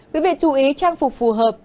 quý vị chú ý trang phục phù hợp